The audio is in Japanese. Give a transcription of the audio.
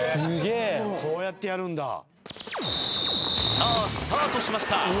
さあスタートしました。